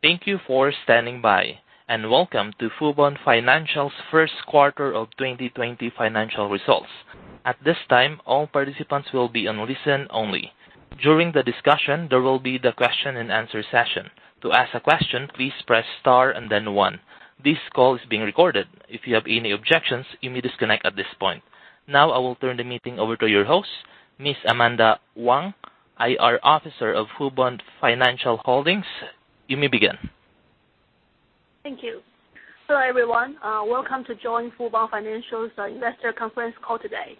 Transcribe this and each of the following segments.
Thank you for standing by. Welcome to Fubon Financial's first quarter of 2020 financial results. At this time, all participants will be on listen only. During the discussion, there will be the question and answer session. To ask a question, please press star and then one. This call is being recorded. If you have any objections, you may disconnect at this point. Now I will turn the meeting over to your host, Ms. Amanda Wang, IR officer of Fubon Financial Holdings. You may begin. Thank you. Hello, everyone. Welcome to join Fubon Financial's investor conference call today.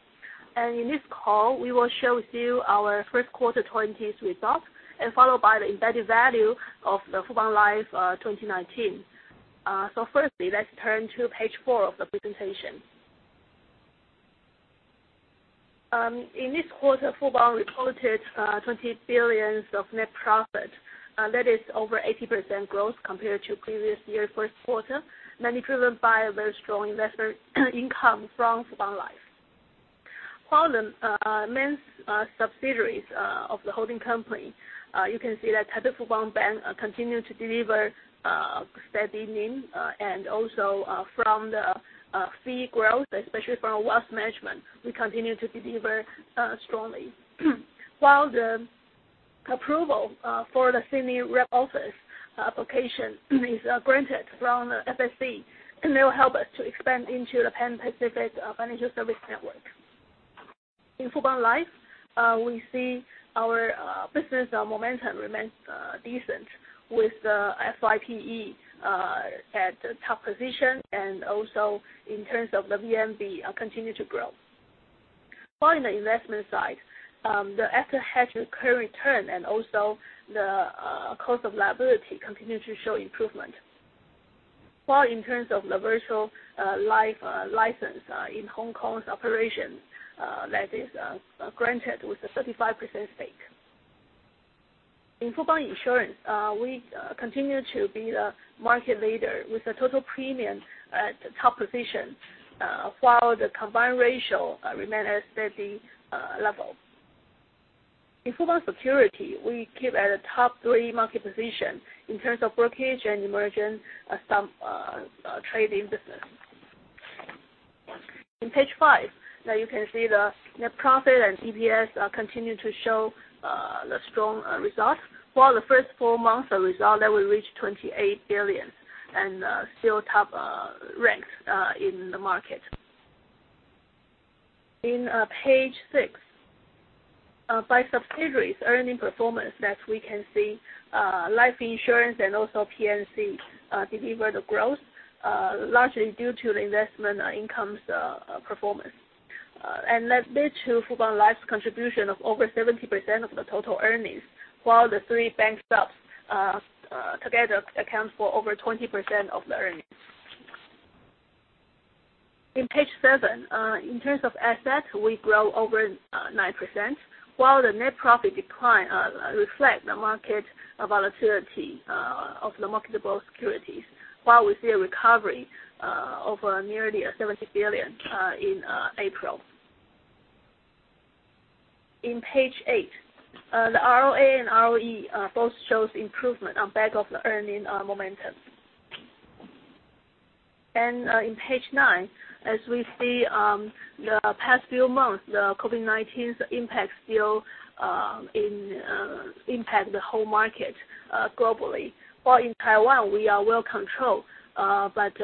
In this call, we will share with you our first quarter 2020 results and followed by the embedded value of Fubon Life 2019. Firstly, let's turn to page four of the presentation. In this quarter, Fubon reported 20 billion of net profit. That is over 80% growth compared to previous year first quarter, mainly driven by a very strong investment income from Fubon Life. The main subsidiaries of the holding company, you can see that Taipei Fubon Bank continue to deliver steady NIM and also from the fee growth, especially from our wealth management, we continue to deliver strongly. The approval for the Sydney rep office application is granted from the FSC, and they'll help us to expand into the Pan-Pacific financial service network. In Fubon Life, we see our business momentum remains decent with the FYPE at the top position and also in terms of the VNB continue to grow. On the investment side, the after-hedge current return and also the cost of liability continue to show improvement. In terms of the virtual life license in Hong Kong's operation, that is granted with a 35% stake. In Fubon Insurance, we continue to be the market leader with the total premium at the top position, while the combined ratio remain at steady level. In Fubon Securities, we keep at a top three market position in terms of brokerage and emerging trading business. In page five, now you can see the net profit and EPS continue to show the strong results, while the first four months of result that will reach 28 billion and still top ranks in the market. In page six, by subsidiaries earning performance that we can see life insurance and also P&C deliver the growth, largely due to the investment income's performance. That lead to Fubon Life's contribution of over 70% of the total earnings, while the three bank subs together account for over 20% of the earnings. In page seven, in terms of assets, we grow over 9%, while the net profit decline reflect the market volatility of the marketable securities, while we see a recovery of nearly 70 billion in April. In page eight, the ROA and ROE both shows improvement on back of the earning momentum. In page nine, as we see the past few months, the COVID-19's impact still impact the whole market globally. While in Taiwan, we are well-controlled, but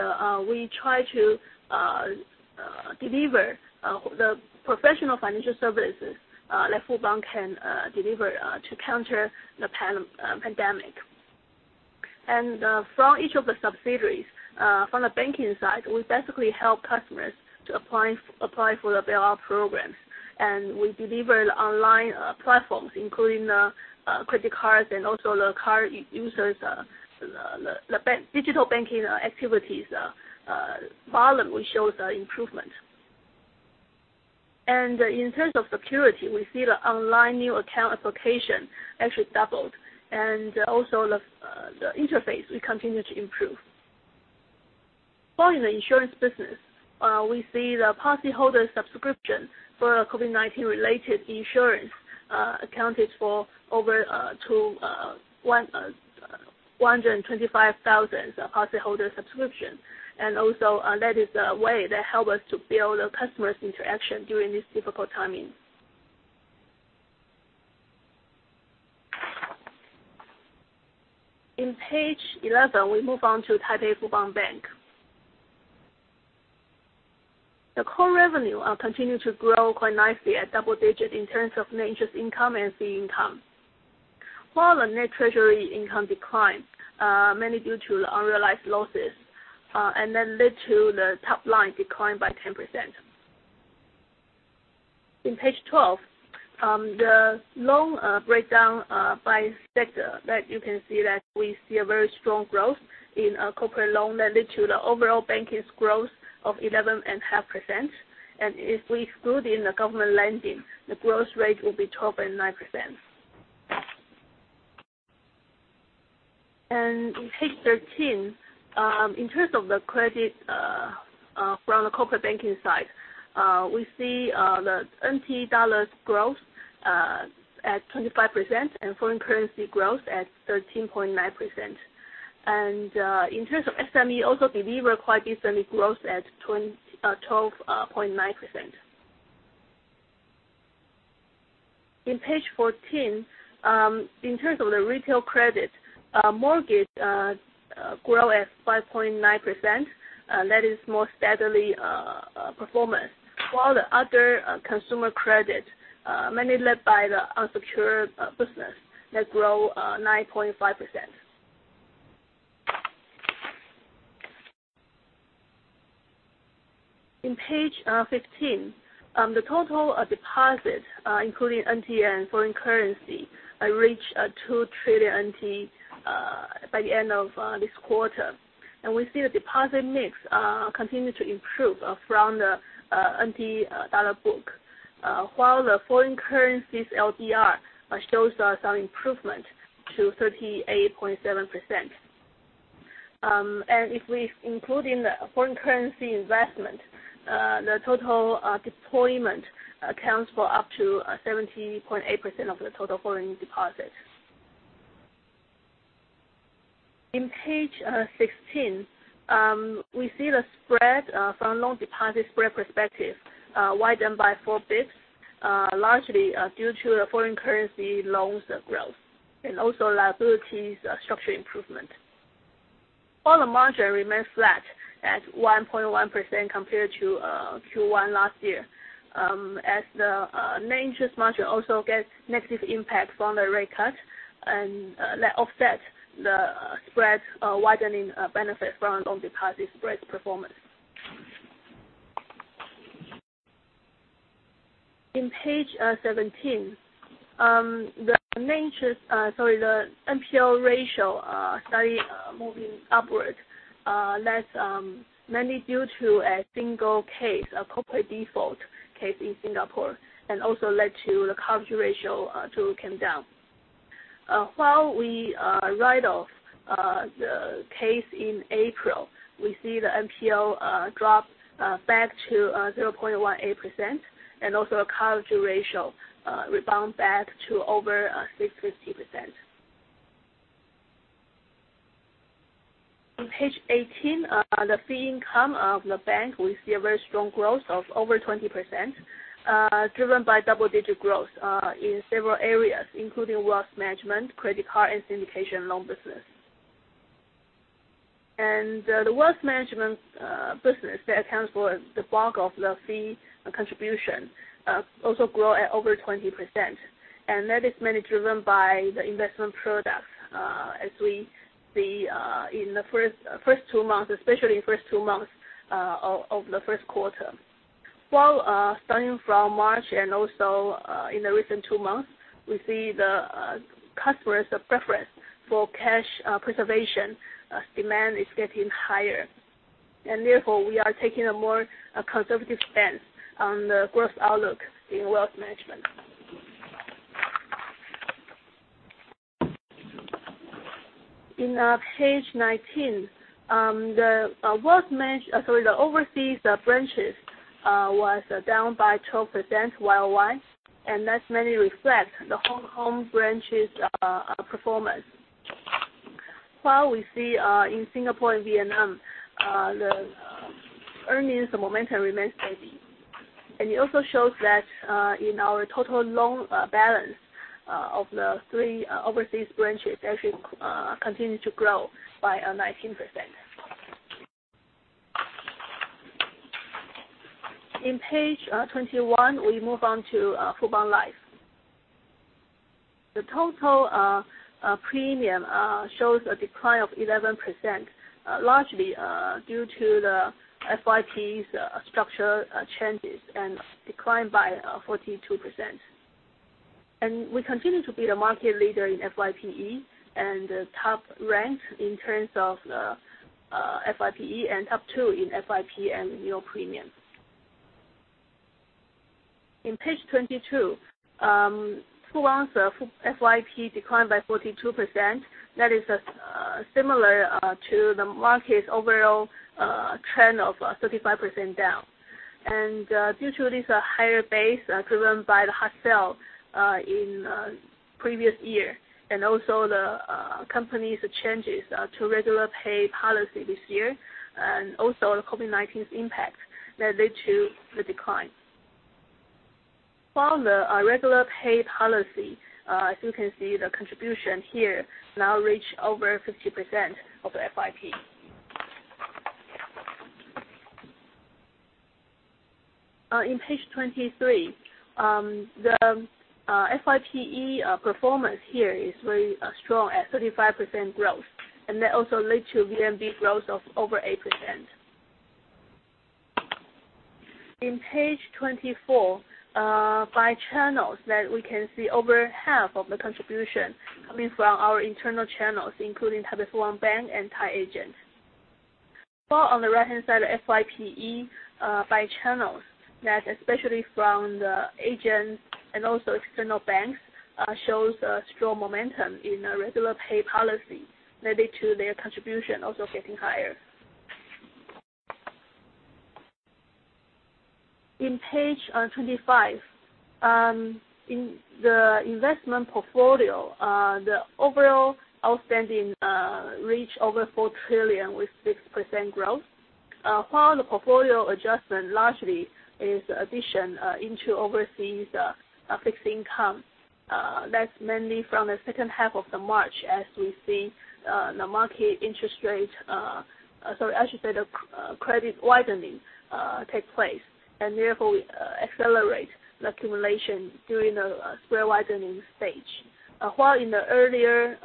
we try to deliver the professional financial services that Fubon can deliver to counter the pandemic. From each of the subsidiaries, from the banking side, we basically help customers to apply for the bailout programs. We deliver the online platforms, including the credit cards and also the card users, the digital banking activities volume, which shows the improvement. In terms of Fubon Securities, we see the online new account application actually doubled. The interface will continue to improve. While in the insurance business, we see the policyholder subscription for COVID-19 related insurance accounted for over 125,000 policyholder subscription, that is a way that helps us to build a customer's interaction during this difficult timing. In page 11, we move on to Taipei Fubon Bank. The core revenue continued to grow quite nicely at double-digit in terms of net interest income and fee income. While the net treasury income declined, mainly due to the unrealized losses, that led to the top line decline by 10%. In page 12, the loan breakdown by sector that you can see that we see a very strong growth in corporate loan that led to the overall banking growth of 11.5%. If we include in the government lending, the growth rate will be 12.9%. In page 13, in terms of the credit From the corporate banking side, we see the TWD growth at 25% and foreign currency growth at 13.9%. In terms of SME, also delivered quite decent growth at 12.9%. In page 14, in terms of the retail credit, mortgage grew at 5.9%. That is more steady performance. While the other consumer credit, mainly led by the unsecured business, that grew 9.5%. In page 15, the total deposit including TWD and foreign currency, reached 2 trillion NT by the end of this quarter. We see the deposit mix continued to improve from the TWD book, while the foreign currency's LDR shows some improvement to 38.7%. If we include in the foreign currency investment, the total deposits accounts for up to 70.8% of the total foreign deposit. In page 16, we see the spread from loan deposit spread perspective widened by 4 basis points, largely due to the foreign currency loans growth and also liabilities structure improvement. While the margin remains flat at 1.1% compared to Q1 last year, as the net interest margin also gets negative impact from the rate cut, that offset the spread widening benefit from loan deposit spreads performance. In page 17, the NPL ratio started moving upward. That's mainly due to a single case, a corporate default case in Singapore, also led to the coverage ratio to come down. While we wrote off the case in April, we see the NPL drop back to 0.18% a coverage ratio rebound back to over 60%. On page 18, the fee income of the bank, we see a very strong growth of over 20%, driven by double-digit growth in several areas, including wealth management, credit card, and syndication loan business. The wealth management business that accounts for the bulk of the fee contribution also grew at over 20%. That is mainly driven by the investment product, as we see especially in the first two months of the first quarter. While starting from March and also in the recent two months, we see the customers' preference for cash preservation demand is getting higher. Therefore, we are taking a more conservative stance on the growth outlook in wealth management. In page 19, the overseas branches was down by 12% YOY, and that mainly reflects the Hong Kong branches performance. While we see in Singapore and Vietnam, the earnings momentum remains steady. It also shows that in our total loan balance of the three overseas branches, actually continues to grow by 19%. In page 21, we move on to Fubon Life. The total premium shows a decline of 11%, largely due to the FYP's structural changes and declined by 42%. We continue to be the market leader in FYPE and top ranked in terms of FYPE and top two in FYP and annual premium. In page 22, full month FYP declined by 42%. That is similar to the market's overall trend of 35% down. Due to this higher base driven by the hot sale in previous year, and also the company's changes to regular pay policy this year, and also the COVID-19's impact that led to the decline. While the regular pay policy, as you can see the contribution here, now reach over 50% of the FYP. In page 23, the FYPE performance here is very strong at 35% growth, and that also led to VNB growth of over 8%. In page 24, by channels that we can see over half of the contribution coming from our internal channels, including Taipei Fubon Bank and Tied Agent. While on the right-hand side, the FYPE by channels That especially from the agents and also external banks, shows a strong momentum in a regular pay policy, leading to their contribution also getting higher. In page 25, in the investment portfolio, the overall outstanding reached over 4 trillion with 6% growth, while the portfolio adjustment largely is addition into overseas fixed income. That's mainly from the second half of the March, as we see the market interest rate. Sorry, I should say the spread widening take place, and therefore we accelerate the accumulation during the spread widening stage. While in the earlier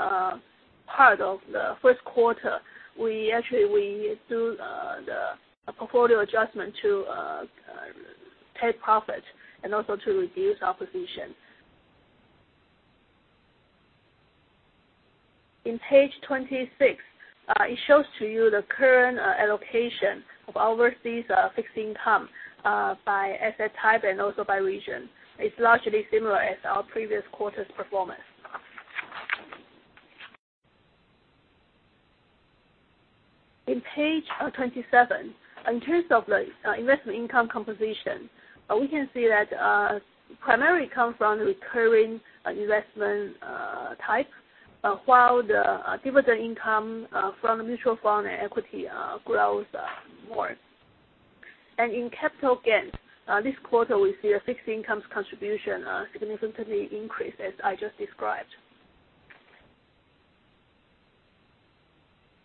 part of the first quarter, we do the portfolio adjustment to take profit and also to reduce our position. In page 26, it shows to you the current allocation of overseas fixed income by asset type and also by region. It's largely similar as our previous quarter's performance. In page 27, in terms of the investment income composition, we can see that primarily it comes from the recurring investment type, while the dividend income from the mutual fund and equity grows more. In capital gains, this quarter we see a fixed income contribution significantly increased as I just described.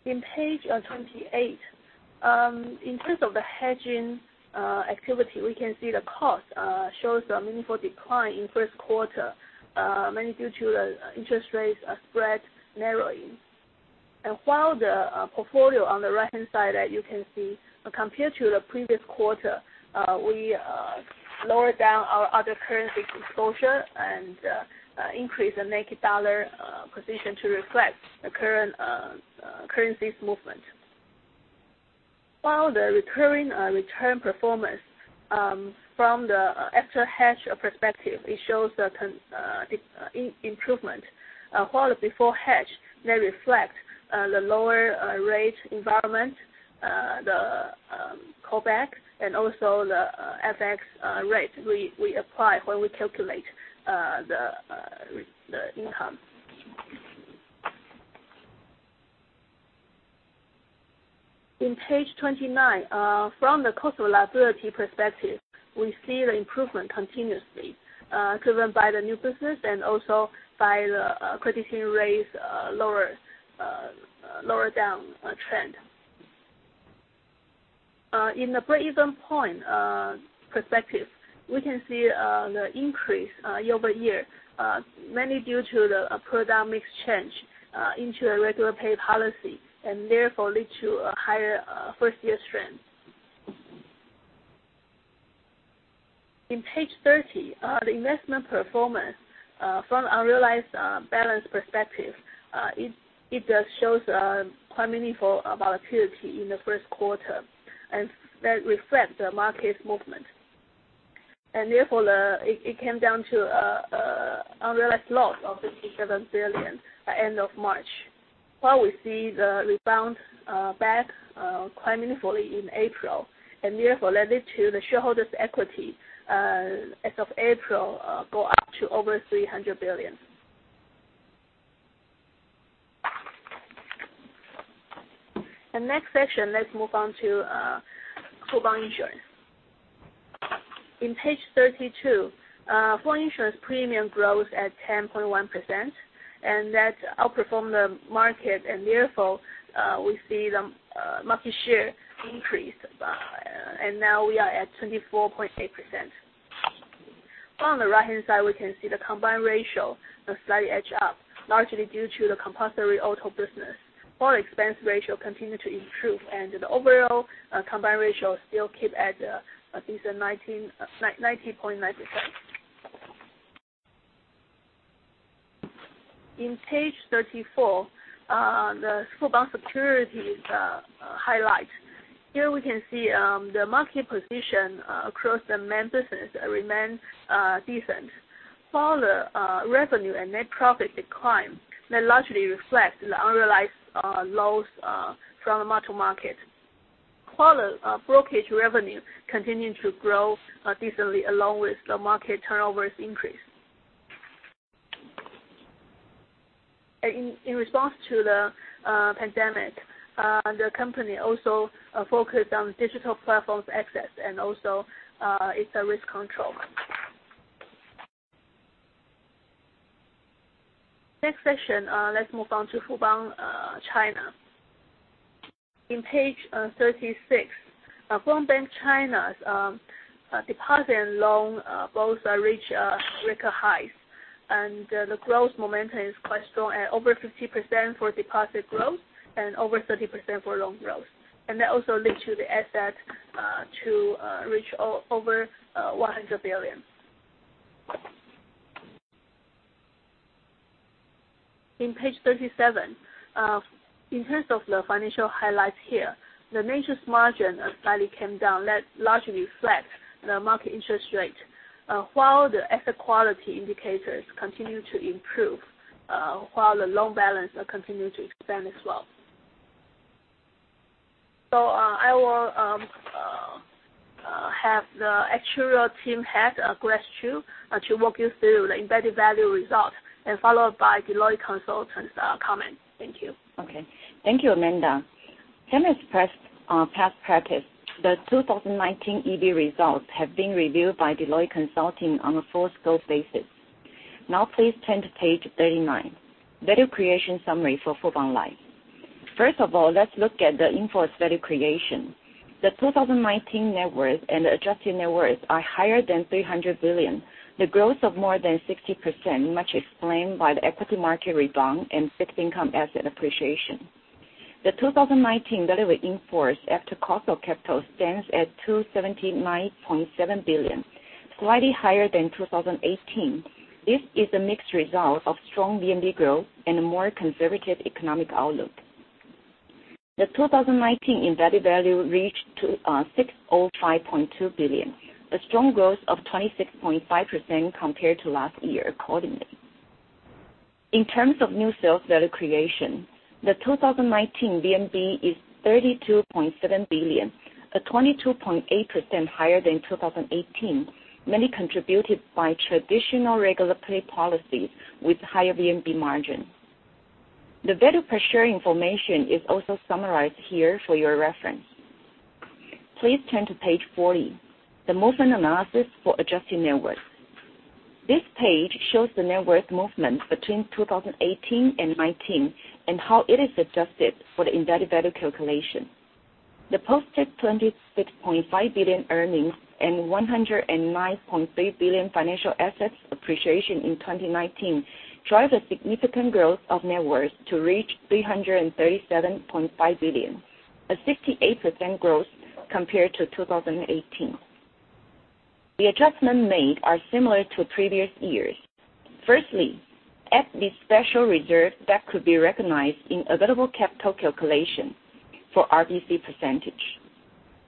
In page 28, in terms of the hedging activity, we can see the cost shows a meaningful decline in first quarter, mainly due to the interest rates spread narrowing. While the portfolio on the right-hand side that you can see, compared to the previous quarter, we lowered down our other currency exposure and increased the naked dollar position to reflect the current currencies movement. While the recurring return performance from the after-hedge perspective, it shows improvement. While the before hedge may reflect the lower rate environment, the callback, and also the FX rate we apply when we calculate the income. In page 29, from the cost of liability perspective, we see the improvement continuously, driven by the new business and also by the credit yield rates lower down trend. In the break-even point perspective, we can see the increase year-over-year, mainly due to the product mix change into a regular pay policy, therefore lead to a higher new business strain. In page 30, the investment performance, from unrealized balance perspective, it just shows a quite meaningful volatility in the first quarter, that reflects the market's movement. Therefore, it came down to unrealized loss of 57 billion at end of March, while we see the rebound back quite meaningfully in April, therefore led to the shareholders' equity as of April go up to over 300 billion. Next section, let's move on to Fubon Insurance. In page 32, Fubon Insurance premium growth at 10.1%, that outperform the market, therefore we see the market share increase. Now we are at 24.8%. On the right-hand side, we can see the combined ratio slightly edge up, largely due to the compulsory auto business. Fubon expense ratio continue to improve, the overall combined ratio still keep at a decent 90.9%. In page 34, the Fubon Securities highlight. Here we can see the market position across the main business remains decent, while the revenue and net profit decline that largely reflect the unrealized loss from the capital market. The brokerage revenue continued to grow decently, along with the market turnovers increase. In response to the pandemic, the company also focused on digital platforms access and also its risk control. Next section, let's move on to Fubon China. In page 36, Fubon Bank China's deposit and loan both reach record highs. The growth momentum is quite strong at over 50% for deposit growth and over 30% for loan growth. That also lead to the asset to reach over TWD 100 billion. In page 37, in terms of the financial highlights here, the net interest margin slightly came down. That largely reflects the market interest rate, while the asset quality indicators continue to improve, while the loan balance continue to expand as well. I will have the Actuarial Team Head, Grace Chiu, to walk you through the embedded value results and followed by Deloitte Consultant's comment. Thank you. Okay. Thank you, Amanda. Same as past practice, the 2019 EV results have been reviewed by Deloitte Consulting on a full scope basis. Please turn to page 39, value creation summary for Fubon Life. Let's look at the in-force value creation. 2019 net worth and adjusted net worth are higher than 300 billion. Growth of more than 60%, much explained by the equity market rebound and fixed income asset appreciation. 2019 value at in-force after cost of capital stands at 279.7 billion, slightly higher than 2018. This is a mixed result of strong VNB growth and a more conservative economic outlook. 2019 embedded value reached to 605.2 billion, a strong growth of 26.5% compared to last year accordingly. First, add the special reserve that could be recognized in available capital calculation for RBC percentage. In terms of new sales value creation, the 2019 VNB is 32.7 billion, a 22.8% higher than 2018, mainly contributed by traditional regular pay policies with higher VNB margin. The value per share information is also summarized here for your reference. Please turn to page 40, the movement analysis for adjusted net worth. This page shows the net worth movement between 2018 and 2019, and how it is adjusted for the embedded value calculation. The posted 26.5 billion earnings and 109.3 billion financial assets appreciation in 2019 drive a significant growth of net worth to reach 337.5 billion, a 68% growth compared to 2018. The adjustment made are similar to previous years.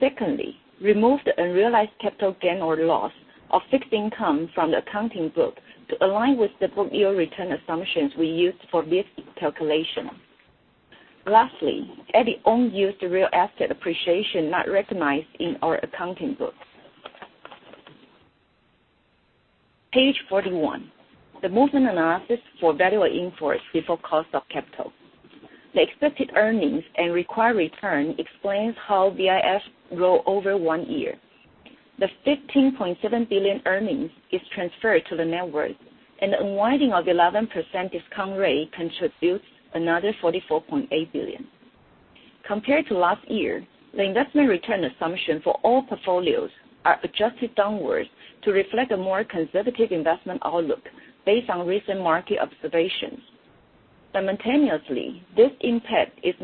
Second, remove the unrealized capital gain or loss of fixed income from the accounting book to align with the book-year return assumptions we used for this calculation. Last, add the unused real asset appreciation not recognized in our accounting books. Page 41, the movement analysis for value of in-force before cost of capital. The expected earnings and required return explains how VIF grow over one year. The 15.7 billion earnings is transferred to the net worth, and the unwinding of 11% discount rate contributes another 44.8 billion. Compared to last year, the investment return assumption for all portfolios are adjusted downwards to reflect a more conservative investment outlook based on recent market observations. Simultaneously, this impact is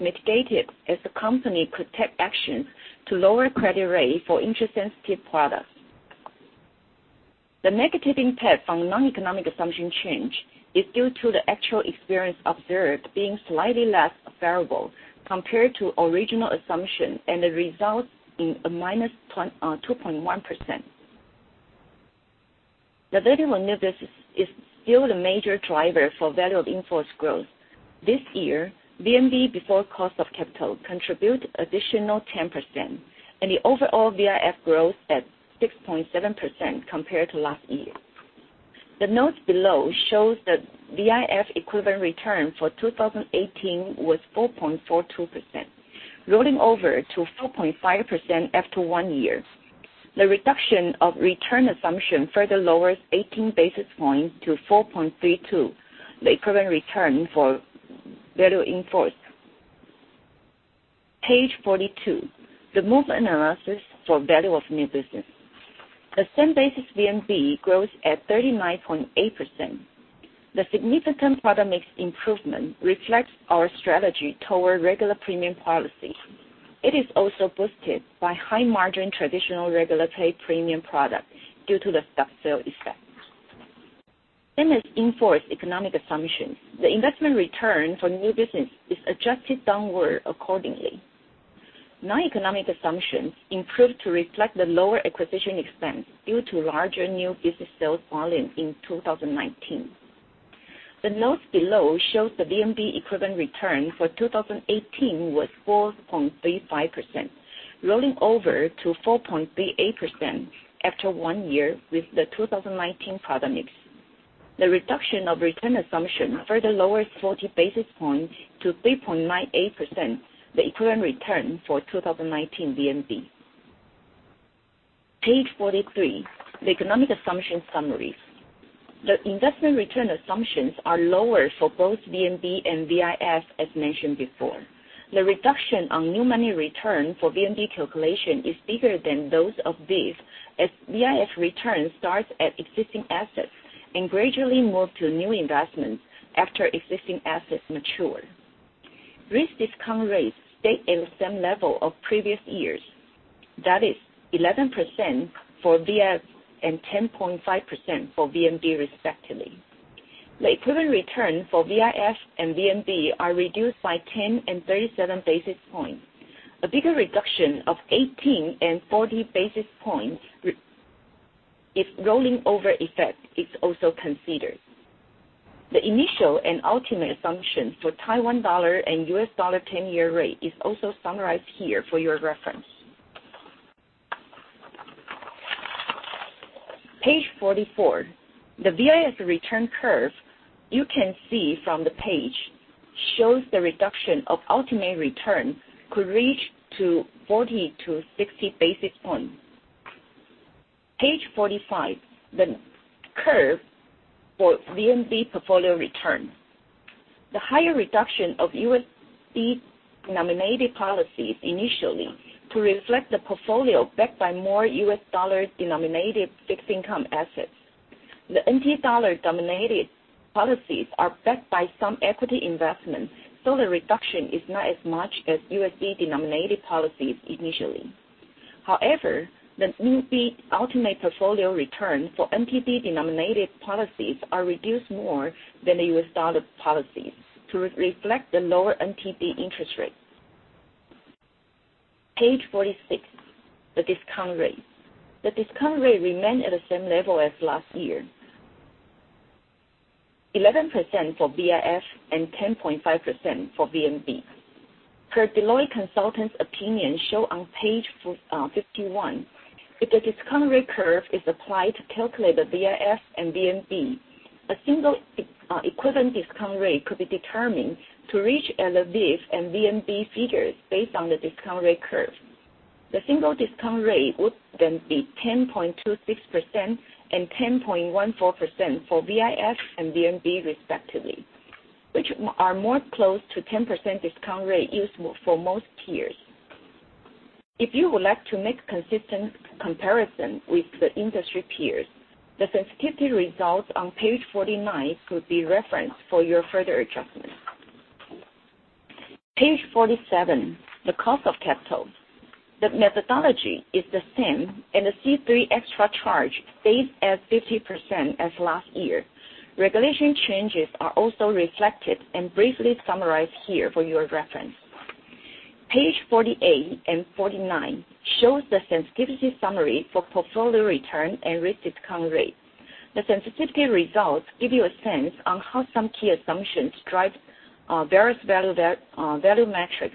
mitigated as the company could take action to lower crediting rate for interest-sensitive products. The negative impact from non-economic assumption change is due to the actual experience observed being slightly less favorable compared to original assumption and it results in a -2.1%. The value of new business is still the major driver for value of in-force growth. This year, VNB before cost of capital contribute additional 10%, and the overall VIF growth at 6.7% compared to last year. The note below shows the VIF equivalent return for 2018 was 4.42%, rolling over to 4.5% after one year. The reduction of return assumption further lowers 18 basis points to 4.32, the equivalent return for value in-force. Page 42, the movement analysis for value of new business. The same-basis VNB grows at 39.8%. The significant product mix improvement reflects our strategy toward regular premium policy. It is also boosted by high-margin traditional regular pay premium product due to the step-setting effect. Same as in-force economic assumptions, the investment return for new business is adjusted downward accordingly. Non-economic assumptions improve to reflect the lower acquisition expense due to larger new business sales volume in 2019. The note below shows the VNB equivalent return for 2018 was 4.35%, rolling over to 4.38% after one year with the 2019 product mix. The reduction of return assumption further lowers 40 basis points to 3.98%, the equivalent return for 2019 VNB. Page 43, the economic assumption summaries. The investment return assumptions are lower for both VNB and VIF, as mentioned before. The reduction on new money return for VNB calculation is bigger than those of VIF, as VIF return starts at existing assets and gradually move to new investments after existing assets mature. Risk discount rates stay at the same level of previous years. That is 11% for VIF and 10.5% for VNB, respectively. The equivalent return for VIF and VNB are reduced by 10 and 37 basis points. A bigger reduction of 18 and 40 basis points if rolling over effect is also considered. The initial and ultimate assumption for TWD and USD 10-year rate is also summarized here for your reference. Page 44, the VIF return curve you can see from the page shows the reduction of ultimate return could reach to 40 to 60 basis points. Page 45, the curve for VNB portfolio return. The higher reduction of USD-denominated policies initially to reflect the portfolio backed by more USD-denominated fixed income assets. The TWD-denominated policies are backed by some equity investments, so the reduction is not as much as USD-denominated policies initially. However, the ultimate portfolio return for TWD-denominated policies are reduced more than the USD policies to reflect the lower TWD interest rates. Page 46, the discount rates. The discount rate remained at the same level as last year, 11% for VIF and 10.5% for VNB. Per Deloitte consultant's opinion shown on page 51, if the discount rate curve is applied to calculate the VIF and VNB, a single equivalent discount rate could be determined to reach the VIF and VNB figures based on the discount rate curve. The single discount rate would then be 10.26% and 10.14% for VIF and VNB respectively, which are more close to 10% discount rate used for most peers. If you would like to make consistent comparison with the industry peers, the sensitivity results on page 49 could be referenced for your further adjustment. Page 47, the cost of capital. The methodology is the same, and the C3 extra charge stays at 50% as last year. Regulation changes are also reflected and briefly summarized here for your reference. Page 48 and 49 shows the sensitivity summary for portfolio return and risk discount rate. The sensitivity results give you a sense on how some key assumptions drive various value metrics.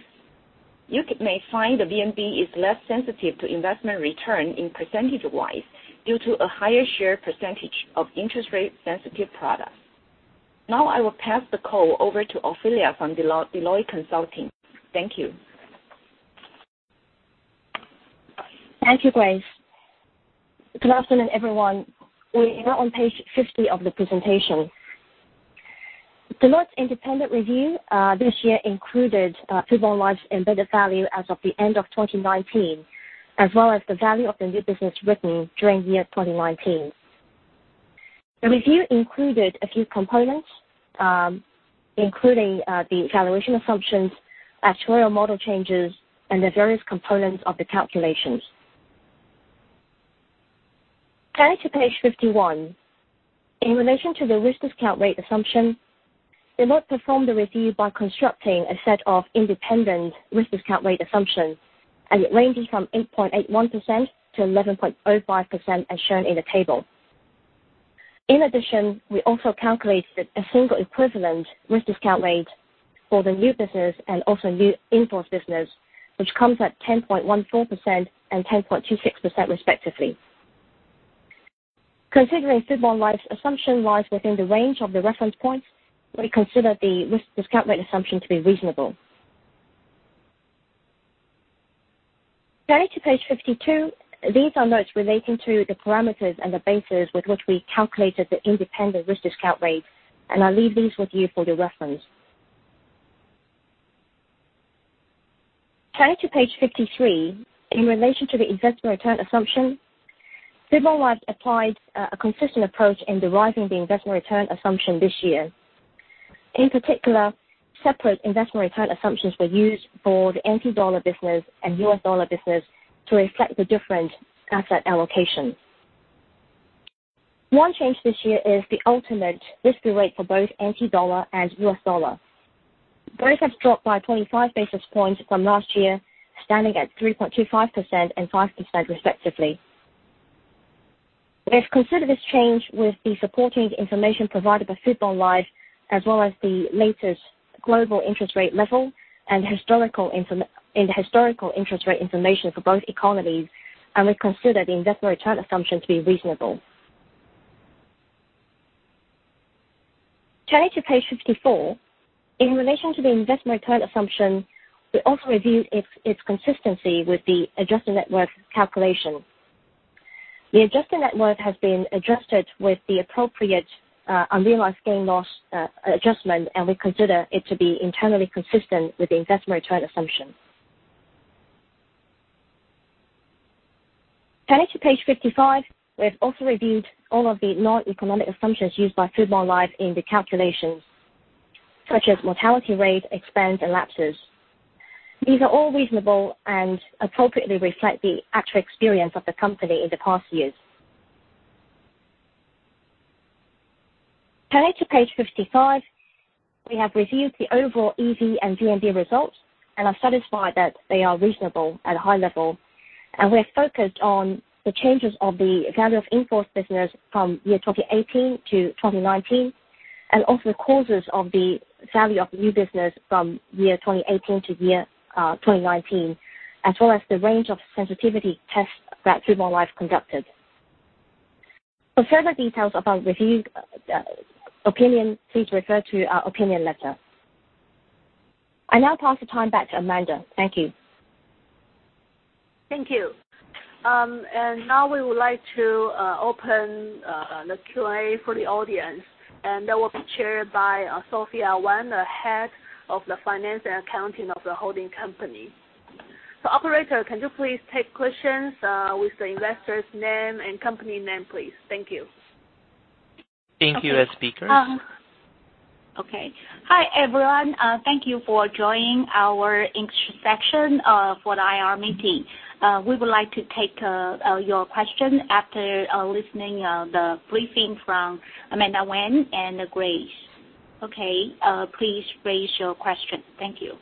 You may find the VNB is less sensitive to investment return in percentage-wise due to a higher share percentage of interest rate sensitive products. Now I will pass the call over to Ophelia from Deloitte Consulting. Thank you. Thank you, Grace. Good afternoon, everyone. We are now on page 50 of the presentation. Deloitte's independent review this year included Fubon Life's embedded value as of the end of 2019, as well as the value of the new business written during the year 2019. The review included a few components including the valuation assumptions, actuarial model changes, and the various components of the calculations. Turning to page 51, in relation to the risk discount rate assumption, Deloitte performed the review by constructing a set of independent risk discount rate assumptions, and it ranges from 8.81% to 11.05%, as shown in the table. In addition, we also calculated a single equivalent risk discount rate for the new business and also new in-force business, which comes at 10.14% and 10.26%, respectively. Considering Fubon Life's assumption lies within the range of the reference points, we consider the risk discount rate assumption to be reasonable. Turning to page 52, these are notes relating to the parameters and the bases with which we calculated the independent risk discount rate, and I leave these with you for your reference. Turning to page 53, in relation to the investment return assumption, Fubon Life applies a consistent approach in deriving the investment return assumption this year. In particular, separate investment return assumptions were used for the TWD business and USD business to reflect the different asset allocations. One change this year is the ultimate risk-free rate for both TWD and USD. Both have dropped by 25 basis points from last year, standing at 3.25% and 5% respectively. We have considered this change with the supporting information provided by Fubon Life as well as the latest global interest rate level and historical interest rate information for both economies, we consider the investment return assumption to be reasonable. Turning to page 54, in relation to the investment return assumption, we also reviewed its consistency with the adjusted net worth calculation. The adjusted net worth has been adjusted with the appropriate unrealized gain loss adjustment, and we consider it to be internally consistent with the investment return assumption. Turning to page 55, we have also reviewed all of the non-economic assumptions used by Fubon Life in the calculations, such as mortality rate, expense, and lapses. These are all reasonable and appropriately reflect the actual experience of the company in the past years. Turning to page 55, we have reviewed the overall EV and GMB results and are satisfied that they are reasonable at a high level. We're focused on the changes of the value of in-force business from year 2018 to 2019, also the causes of the value of new business from year 2018 to year 2019, as well as the range of sensitivity tests that Fubon Life conducted. For further details of our opinion, please refer to our opinion letter. I now pass the time back to Amanda. Thank you. Thank you. Now we would like to open the Q&A for the audience, and that will be chaired by Sophia Wen, the head of the finance and accounting of the holding company. Operator, can you please take questions with the investor's name and company name, please? Thank you. Thank you, speakers. Hi, everyone. Thank you for joining our section for the IR meeting. We would like to take your question after listening the briefing from Amanda Wen and Grace. Please raise your question. Thank you.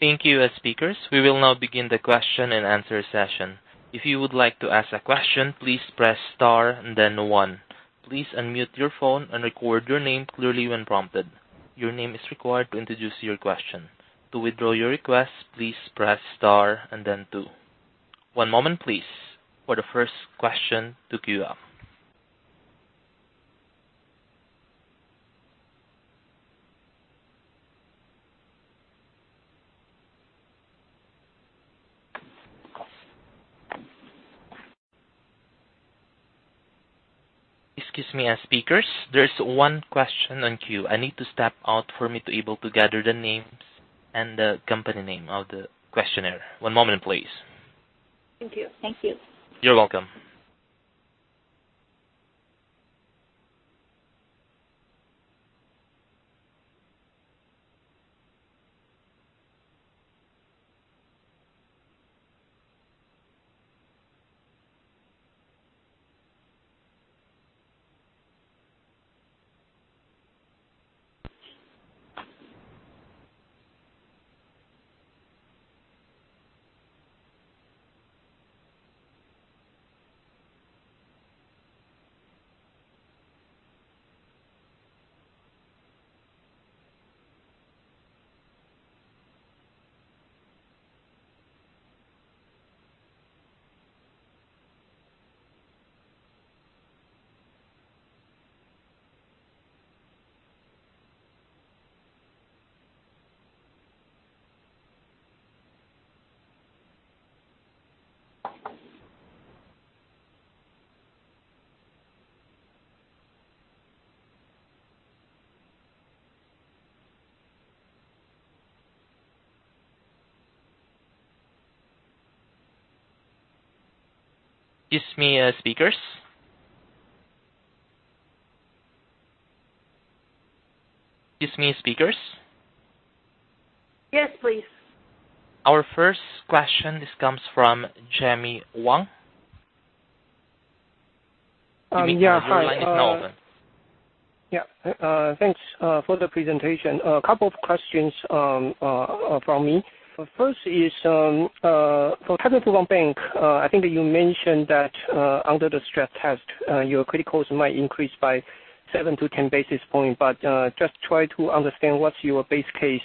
Thank you, speakers. We will now begin the question and answer session. If you would like to ask a question, please press star and then one. Please unmute your phone and record your name clearly when prompted. Your name is required to introduce your question. To withdraw your request, please press star and then two. One moment, please, for the first question to queue up. Excuse me, speakers. There is one question in queue. I need to step out for me to able to gather the names and the company name of the questioner. One moment, please. Thank you. Thank you. You're welcome. Excuse me, speakers? Yes, please. Our first question, this comes from Jimmy Wong. Hi. Jamie, your line is now open. Thanks for the presentation. A couple of questions from me. First is, for Taipei Fubon Bank, I think that you mentioned that under the stress test, your credit cost might increase by seven to 10 basis points, just try to understand what's your base case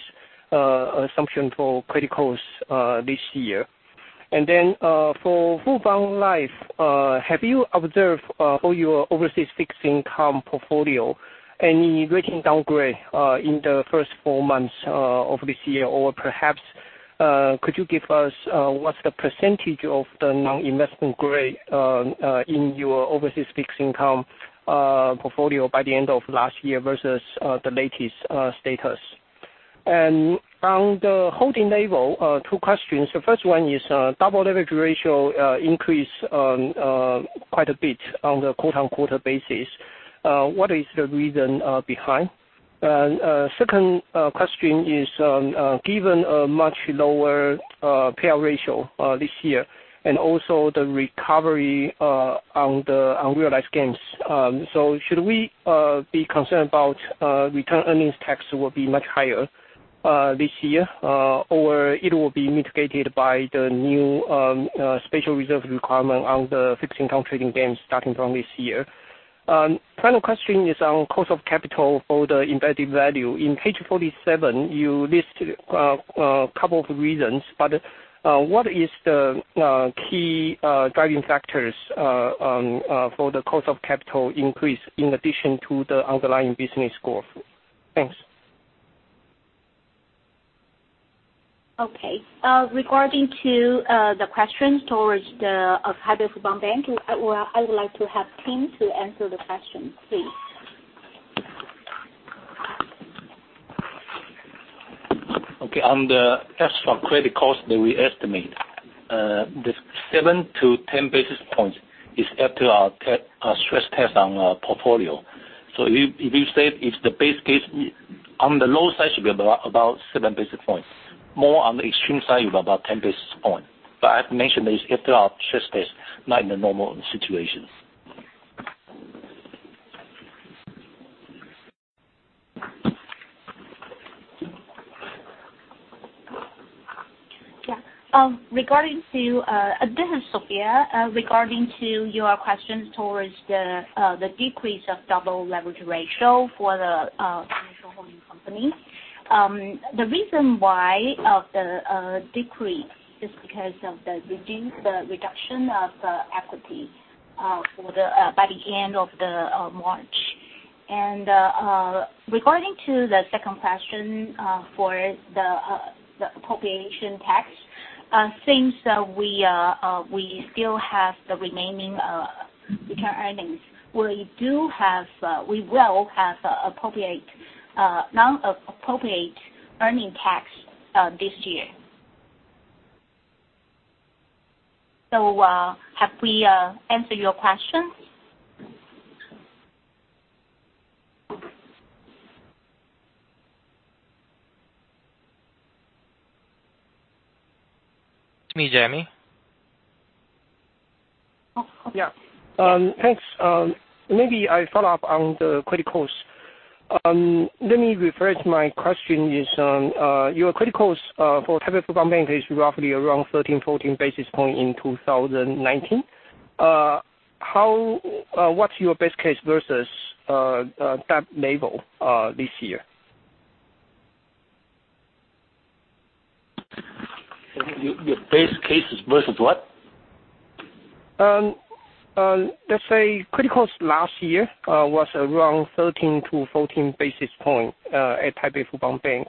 assumption for credit cost this year. For Fubon Life, have you observed for your overseas fixed income portfolio any rating downgrade in the first four months of this year? Perhaps, could you give us what's the percentage of the non-investment grade in your overseas fixed income portfolio by the end of last year versus the latest status? On the holding level, two questions. The first one is, double leverage ratio increase quite a bit on the quarter-on-quarter basis. What is the reason behind? Second question is, given a much lower payout ratio this year and also the recovery on realized gains, should we be concerned about retained earnings tax will be much higher this year, or it will be mitigated by the new special reserve requirement on the fixed income trading gains starting from this year? Final question is on cost of capital for the embedded value. In page 47, you listed a couple of reasons, what is the key driving factors for the cost of capital increase in addition to the underlying business growth? Thanks. Okay. Regarding to the questions towards the Fubon Bank, I would like to have Tim to answer the question, please. Okay. On the extra credit cost that we estimate, this 7 to 10 basis points is after our stress test on our portfolio. If you said the base case, on the low side should be about seven basis points. More on the extreme side, about 10 basis points. I have to mention, this is after our stress test, not in the normal situations. Yeah. This is Sophia. Regarding to your questions towards the decrease of double leverage ratio for the financial holding company. The reason why of the decrease is because of the reduction of the equity by the end of March. Regarding to the second question, for the retained earnings tax, since we still have the remaining retained earnings, we will have retained earnings tax, this year. Have we answered your questions? Excuse me, Jimmy? Yeah. Thanks. Maybe I follow up on the credit cost. Let me rephrase my question, your credit cost, for Taipei Fubon Bank is roughly around 13, 14 basis point in 2019. What's your best case versus that level this year? Your best case is versus what? Let's say credit cost last year was around 13 to 14 basis point, at Taipei Fubon Bank.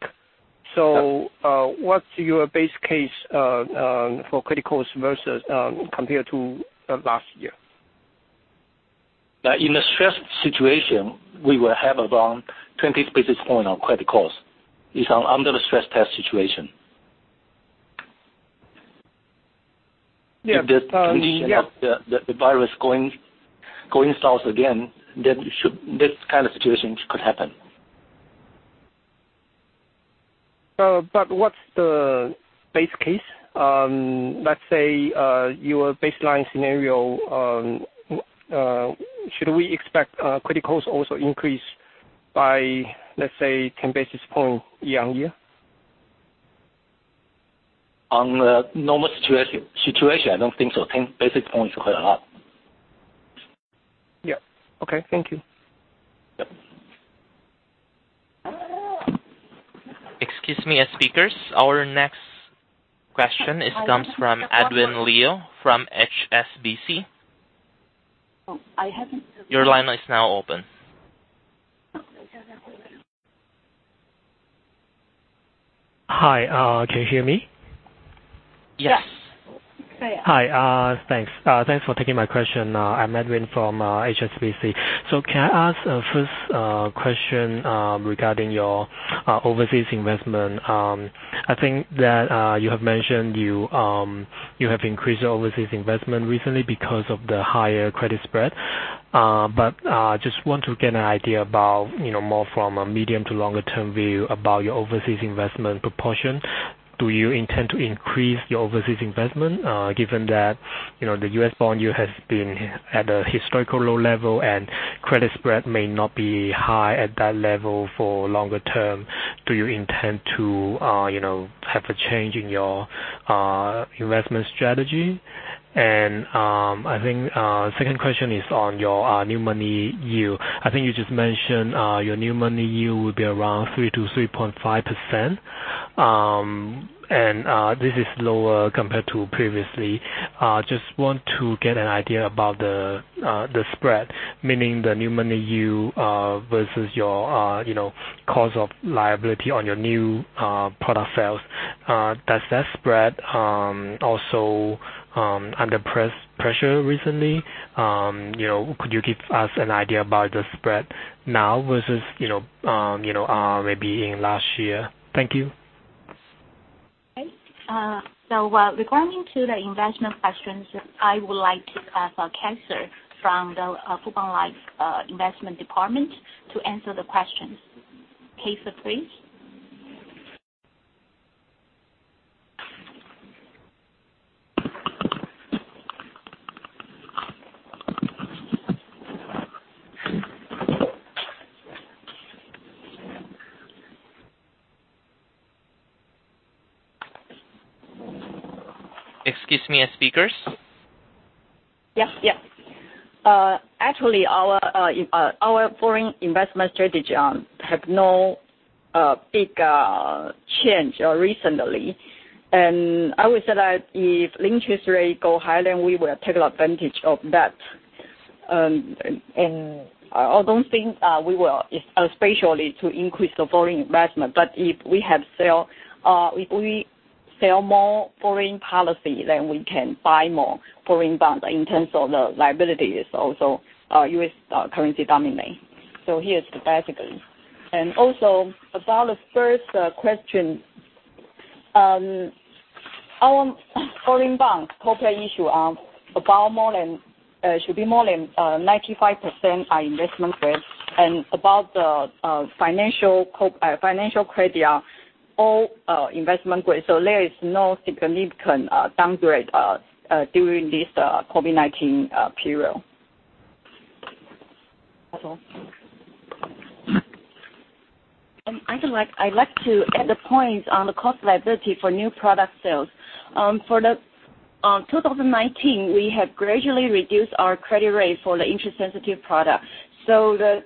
What's your best case for credit cost compared to last year? In a stressed situation, we will have around 20 basis point on credit cost. It's under the stress test situation. Yeah. If the virus going south again, this kind of situation could happen. What's the base case? Let's say your baseline scenario, should we expect credit cost also increase by, let's say, 10 basis point year-over-year? On a normal situation, I don't think so. 10 basis point is quite a lot. Yeah. Okay. Thank you. Yep. Excuse me, speakers. Our next question comes from Edwin Leo from HSBC. Oh, I haven't. Your line is now open. Okay. Hi, can you hear me? Yes. Yes. Hi. Thanks. Thanks for taking my question. I'm Edwin from HSBC. Can I ask a first question regarding your overseas investment? I think that you have mentioned you have increased your overseas investment recently because of the higher credit spread. Just want to get an idea about more from a medium to longer term view about your overseas investment proportion. Do you intend to increase your overseas investment? Given that the U.S. bond yield has been at a historical low level and credit spread may not be high at that level for longer term, do you intend to have a change in your investment strategy? I think, second question is on your new money yield. I think you just mentioned, your new money yield will be around 3% to 3.5%. This is lower compared to previously. Just want to get an idea about the spread, meaning the new money yield, versus your cost of liability on your new product sales. Has that spread also under pressure recently? Could you give us an idea about the spread now versus maybe in last year? Thank you. Okay. Regarding to the investment questions, I would like to ask Kaiser from the Fubon Life investment department to answer the questions. Kaiser, please. Excuse me, speakers. Yeah. Actually, our foreign investment strategy have no big change recently. I would say that if interest rate go higher, then we will take advantage of that. I don't think we will, especially to increase the foreign investment. If we have sale sell more foreign policy than we can buy more foreign bonds in terms of the liabilities. US currency dominate. Here is statistically. About the first question. Our foreign bonds corporate issue should be more than 95% are investment grade. About the financial credit are all investment grade, there is no significant downgrade during this COVID-19 period. That's all. I'd like to add the point on the cost of liability for new product sales. For 2019, we have gradually reduced our crediting rate for the interest-sensitive product. The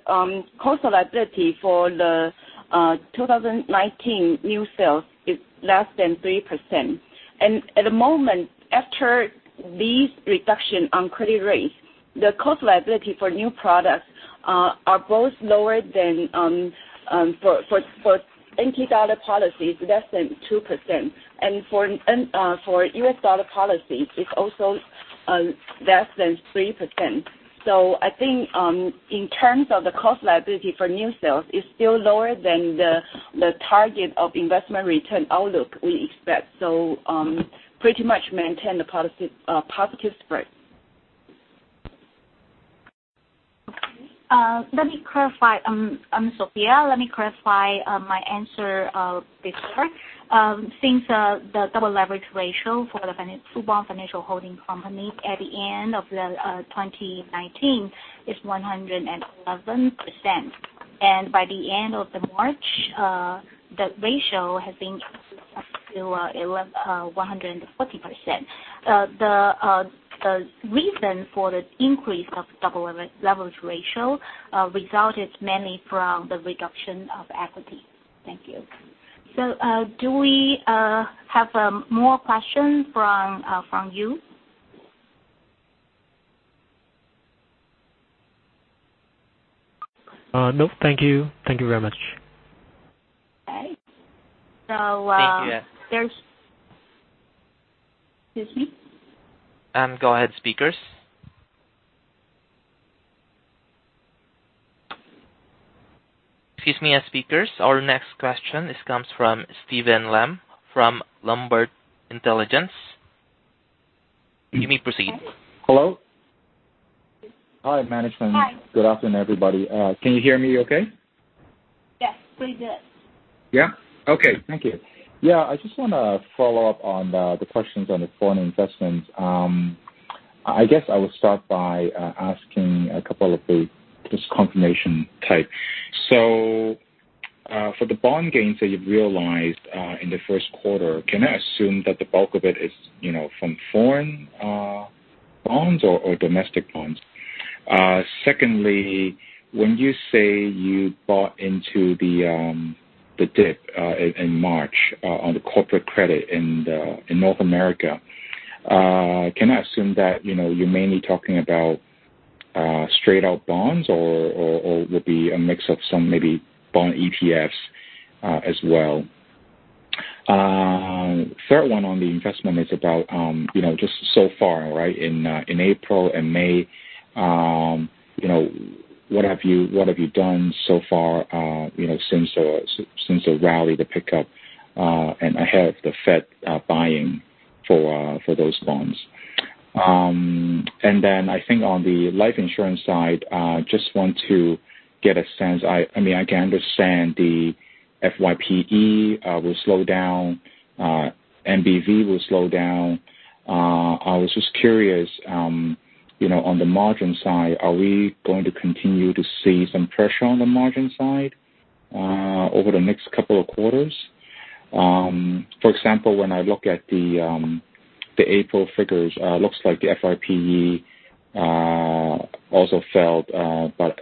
cost of liability for the 2019 new sales is less than 3%. At the moment, after this reduction on credit rates, the cost of liability for new products are both lower than, for NT dollar policies, less than 2%, and for US dollar policies, it's also less than 3%. I think in terms of the cost of liability for new sales, it's still lower than the target of investment return outlook we expect. Pretty much maintain the positive spread. Okay. Let me clarify. I'm Sophia. Let me clarify my answer before. Since the double leverage ratio for the Fubon Financial Holding Company at the end of 2019 is 111%, by the end of March, the ratio has increased up to 140%. The reason for the increase of double leverage ratio resulted mainly from the reduction of equity. Thank you. Do we have more questions from you? Nope. Thank you. Thank you very much. Okay. Thank you, yes. Excuse me. Go ahead, speakers. Excuse me, speakers. Our next question comes from Steven Lam from Lombard Intelligence. You may proceed. Hello? Hi, management. Hi. Good afternoon, everybody. Can you hear me okay? Yes, pretty good. Yeah? Okay. Thank you. I just want to follow up on the questions on the foreign investments. I guess I will start by asking a couple of the just confirmation type. For the bond gains that you've realized in the first quarter, can I assume that the bulk of it is from foreign bonds or domestic bonds? Secondly, when you say you bought into the dip in March on the corporate credit in North America, can I assume that you're mainly talking about straight out bonds, or would be a mix of some maybe bond ETFs as well? Third one on the investment is about just so far. In April and May, what have you done so far since the rally, the pickup, and ahead of the Fed buying for those bonds? I think on the life insurance side, just want to get a sense. I can understand the FYPE will slow down. MBV will slow down. I was just curious, on the margin side, are we going to continue to see some pressure on the margin side over the next couple of quarters? For example, when I look at the April figures, looks like the FYPE also fell, but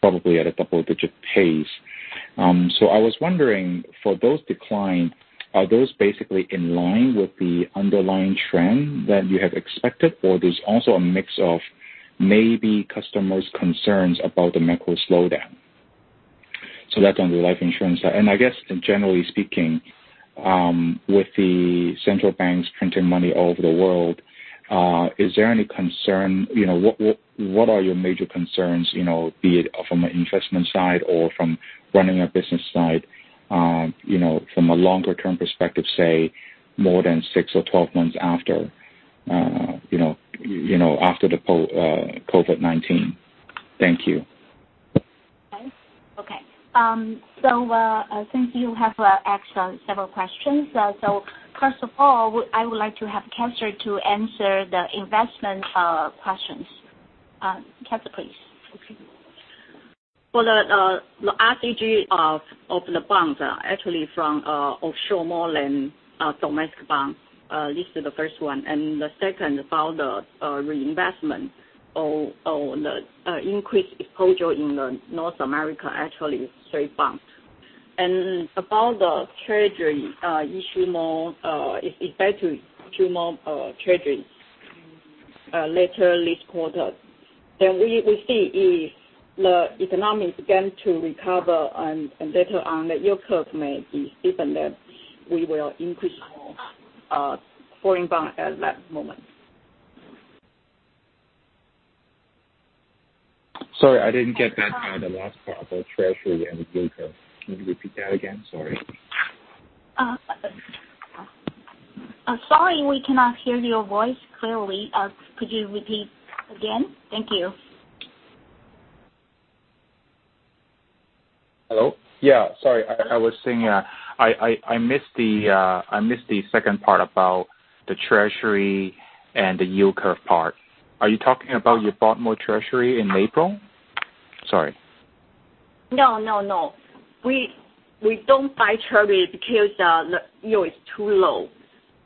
probably at a double-digit pace. I was wondering, for those decline, are those basically in line with the underlying trend that you have expected, or there's also a mix of maybe customers' concerns about the macro slowdown? That's on the life insurance side. I guess, generally speaking, with the central banks printing money all over the world, is there any concern? What are your major concerns, be it from an investment side or from running a business side from a longer-term perspective, say more than six or 12 months after the COVID-19? Thank you. Okay. Since you have asked several questions, first of all, I would like to have Cassie to answer the investment questions. Cassie, please. Okay. For the RCG of the bonds are from offshore more than domestic bonds. This is the first one. The second, about the reinvestment on the increased exposure in North America, it's trade bonds. About the treasury, if better to issue more treasuries later this quarter. We see if the economics begin to recover and later on the yield curve may be different, we will increase more foreign bond at that moment. Sorry, I didn't get that on the last part, the Treasury and the yield curve. Can you repeat that again? Sorry. Sorry, we cannot hear your voice clearly. Could you repeat again? Thank you. Hello? Yeah, sorry. I was saying, I missed the second part about the Treasury and the yield curve part. Are you talking about you bought more Treasury in April? Sorry. No, no. We don't buy Treasury because the yield is too low.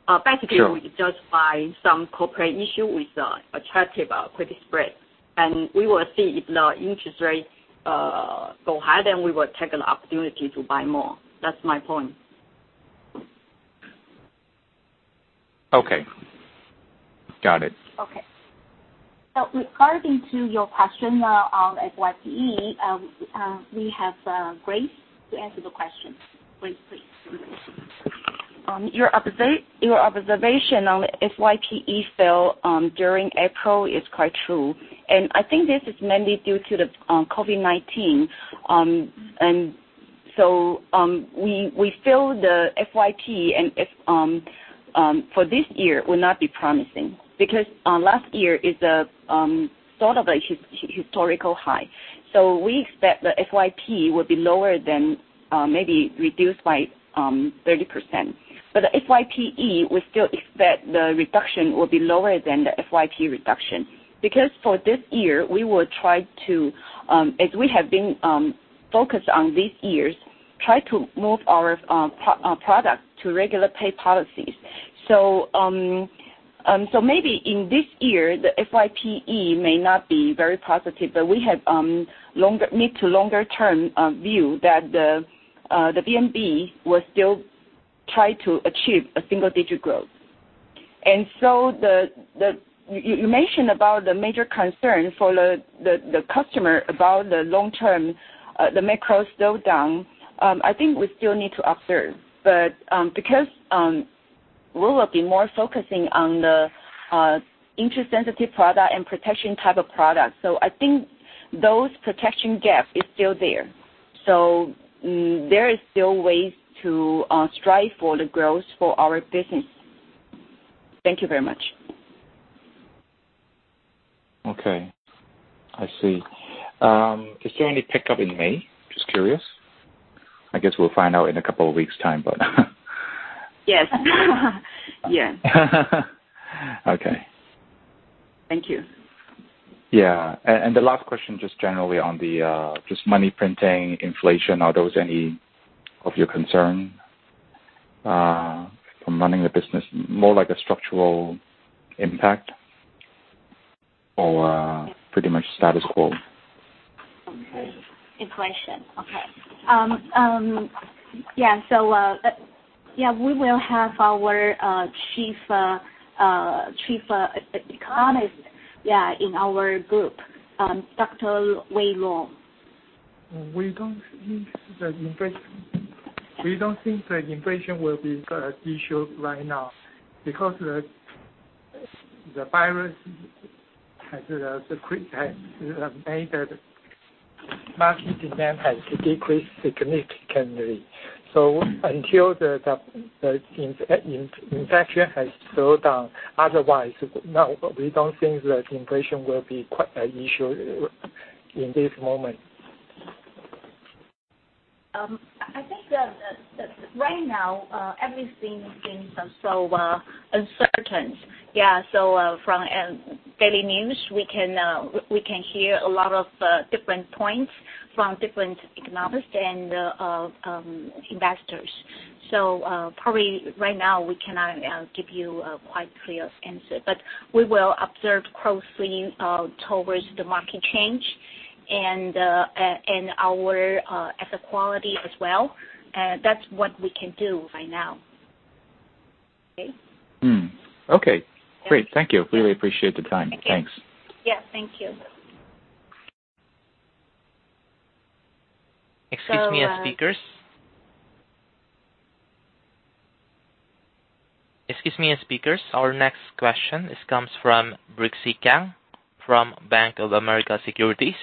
Sure. Basically, we just buy some corporate issue with attractive credit spread, and we will see if the interest rates go higher, then we will take an opportunity to buy more. That's my point. Okay. Got it. Okay. Regarding to your question on FYPE, we have Grace to answer the question. Grace, please. Your observation on FYPE sale during April is quite true, and I think this is mainly due to the COVID-19. We feel the FYP for this year will not be promising because last year is a sort of a historical high. We expect the FYP will be lower than maybe reduced by 30%. The FYPE, we still expect the reduction will be lower than the FYP reduction. For this year, we will try to, as we have been focused on this year, try to move our product to regular pay policies. Maybe in this year, the FYPE may not be very positive, but we have mid to longer term view that the VNB will still try to achieve a single-digit growth. You mention about the major concern for the customer about the long term, the macro slowdown, I think we still need to observe. Because we will be more focusing on the interest-sensitive product and protection type of product, so I think those protection gap is still there. There is still ways to strive for the growth for our business. Thank you very much. Okay. I see. Is there any pickup in May? Just curious. I guess we'll find out in a couple of weeks time. Yes. Yeah. Okay. Thank you. The last question, just generally on the just money printing, inflation, are those any of your concern from running the business? More like a structural impact or pretty much status quo? Okay. Inflation. Okay. Yeah, we will have our chief economist in our group, Dr. Wei Luo. We don't think the inflation will be a issue right now because the virus has made the market demand has decreased significantly. Until the infection has slowed down, otherwise, no, we don't think the inflation will be quite a issue in this moment. I think that right now, everything seems so uncertain. Yeah, from daily news, we can hear a lot of different points from different economists and investors. Probably right now we cannot give you a quite clear answer, but we will observe closely towards the market change and our asset quality as well. That's what we can do right now. Okay? Okay. Great. Thank you. Really appreciate the time. Thank you. Thanks. Yeah, thank you. Excuse me, speakers. Excuse me, speakers. Our next question comes from Brixy Kang from Bank of America Securities.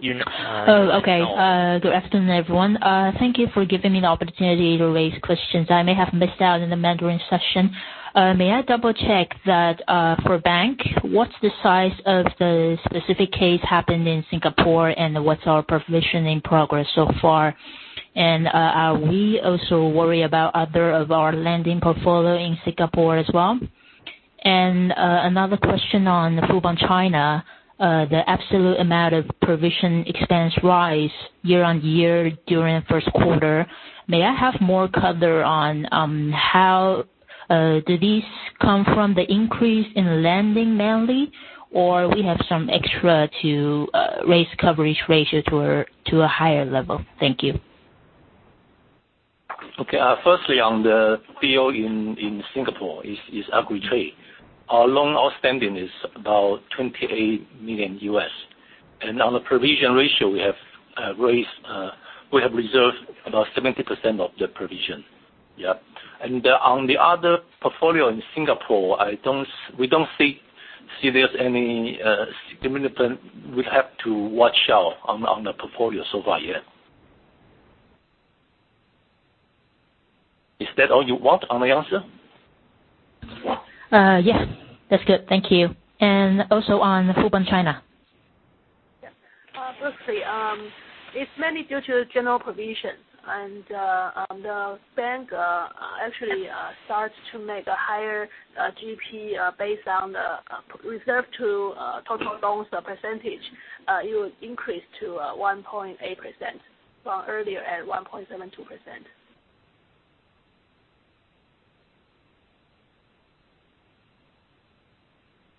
You're now unmuted. Okay. Good afternoon, everyone. Thank you for giving me the opportunity to raise questions I may have missed out in the Mandarin session. May I double-check that, for bank, what's the size of the specific case happened in Singapore, and what's our provisioning progress so far? Are we also worried about other of our lending portfolio in Singapore as well? Another question on Fubon China, the absolute amount of provision expense rise year on year during first quarter. May I have more color on did these come from the increase in lending mainly, or we have some extra to raise coverage ratio to a higher level? Thank you. Okay. Firstly, on the deal in Singapore is Agritrade. Our loan outstanding is about $28 million. On the provision ratio, we have reserved about 70% of the provision. Yeah. On the other portfolio in Singapore, we don't see there's any significant we have to watch out on the portfolio so far, yet. Is that all you want on the answer? Yes. That's good. Thank you. Also on Fubon, China. Firstly, it's mainly due to general provision. The bank actually starts to make a higher GP based on the reserve to total loans percentage. It will increase to 1.8% from earlier at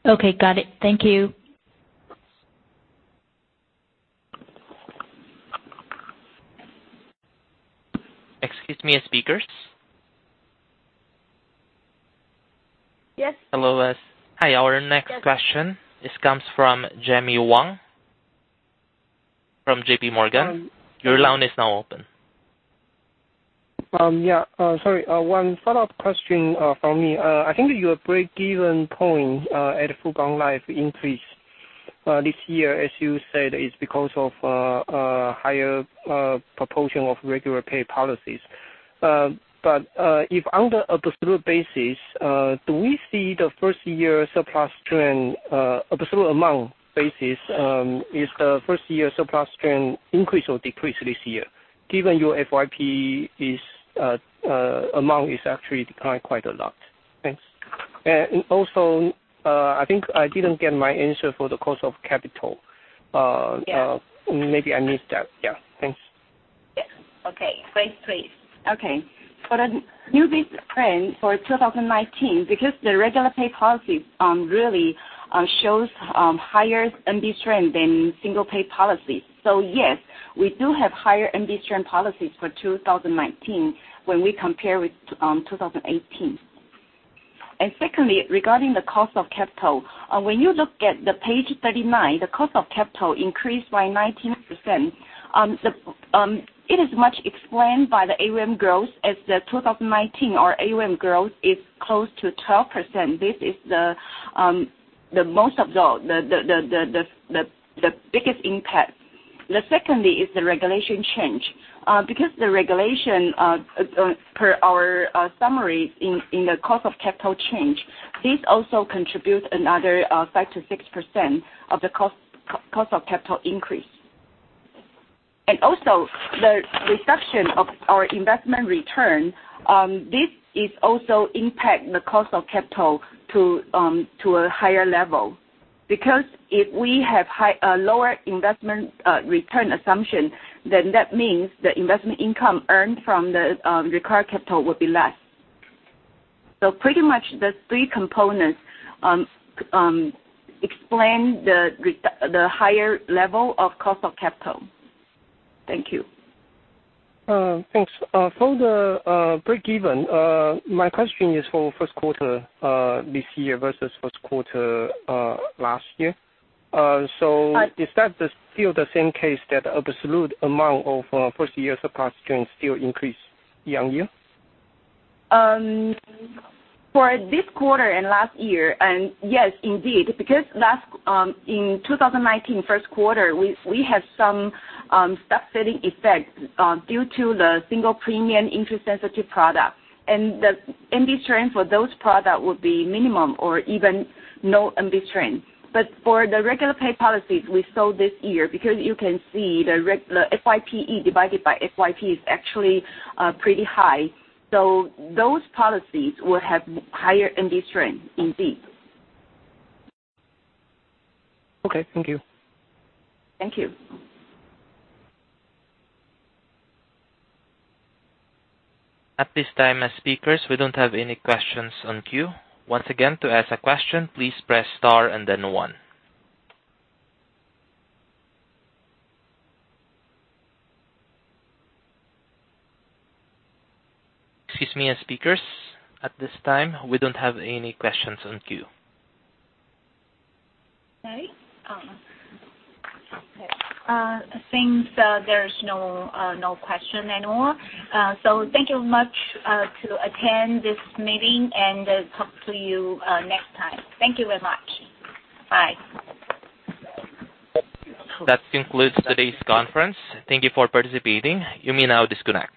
1.72%. Got it. Thank you. Excuse me, speakers. Yes. Hello. Hi. Our next question comes from Jimmy Wong from JPMorgan. Your line is now open. Yeah. Sorry, one follow-up question from me. I think your break-even point at Fubon Life increased this year, as you said, is because of a higher proportion of regular pay policies. If under absolute basis, do we see the first year surplus trend, absolute amount basis, is the first year surplus trend increase or decrease this year, given your FYP amount is actually declined quite a lot? Thanks. Also, I think I didn't get my answer for the cost of capital. Yeah. Maybe I missed that. Yeah. Thanks. Yeah. Okay. Grace, please. Okay. For the new business strain for 2019, the regular pay policy really shows higher VNB than single pay policy. Yes, we do have higher VNB policies for 2019 when we compare with 2018. Secondly, regarding the cost of capital. When you look at the page 39, the cost of capital increased by 19%. It is much explained by the AUM growth as the 2019, our AUM growth is close to 12%. This is the biggest impact. Secondly is the regulation change. The regulation per our summary in the cost of capital change, this also contributes another 5%-6% of the cost of capital increase. Also, the reduction of our investment return. This is also impact the cost of capital to a higher level. If we have a lower investment return assumption, then that means the investment income earned from the required capital would be less. Pretty much the three components explain the higher level of cost of capital. Thank you. Thanks. For the break-even point, my question is for first quarter this year versus first quarter last year. Uh- Is that still the same case that absolute amount of first-year surplus can still increase year-over-year? For this quarter and last year, yes indeed, because in 2019, first quarter, we have some step-setting effect due to the single premium interest-sensitive product. The NB trend for those product would be minimum or even no NB trend. For the regular pay policies we sold this year, because you can see the FYPE divided by FYP is actually pretty high. Those policies will have higher NB trend indeed. Okay, thank you. Thank you. At this time, speakers, we don't have any questions in queue. Once again, to ask a question, please press star and then one. Excuse me, speakers. At this time, we don't have any questions in queue. Okay. Since there's no question anymore. Thank you much to attend this meeting and talk to you next time. Thank you very much. Bye. That concludes today's conference. Thank you for participating. You may now disconnect.